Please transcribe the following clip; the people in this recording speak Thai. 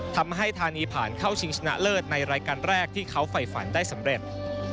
ธานีผ่านเข้าชิงชนะเลิศในรายการแรกที่เขาไฟฝันได้สำเร็จ